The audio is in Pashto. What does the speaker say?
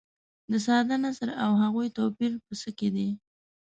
د ساده نثر او هغوي توپیر په څه کې دي.